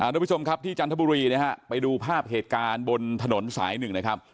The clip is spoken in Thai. ทุกผู้ชมครับที่จันทบุรีนะฮะไปดูภาพเหตุการณ์บนถนนสายหนึ่งนะครับ